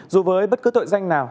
dù với bất cứ tội danh nào